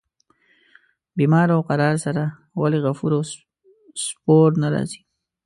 بیمار او قرار سره ولي غفور او سپور نه راځي.